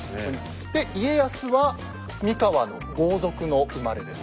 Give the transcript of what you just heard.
で家康は三河の豪族の生まれです。